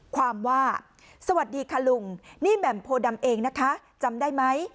ความว่าสวัสดีค่ะลุงนี่แหม่มโพดำเองนะคะจำได้ไหม